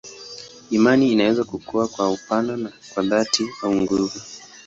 Imani inaweza kukua kwa upana na kwa dhati au nguvu.